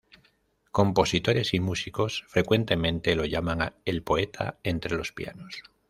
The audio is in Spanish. Compositores y músicos frecuentemente lo llaman el poeta entre los pianos.